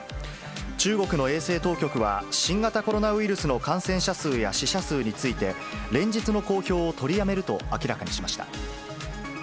中国の衛生当局は、新型コロナウイルスの感染者数や死者数について、連日の公表を取りやめると明らかにしました。